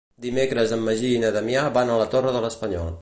Dimecres en Magí i na Damià van a la Torre de l'Espanyol.